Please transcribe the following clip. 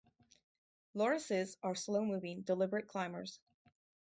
Lorises are slow-moving, deliberate climbers.